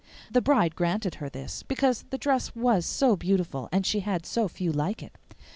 The bride granted her this, because the dress was so beautiful and she had so few like it.